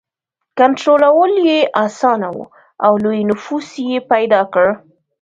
کنټرول یې اسانه و او لوی نفوس یې پیدا کړ.